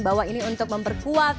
bahwa ini untuk memperkuat